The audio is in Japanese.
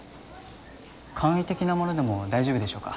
簡易的なものでも大丈夫でしょうか？